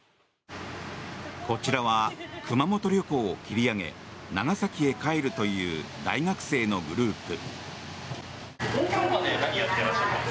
こちらは熊本旅行を切り上げ長崎へ帰るという大学生のグループ。